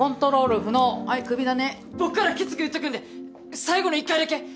僕からきつく言っとくんで最後に１回だけチャンスください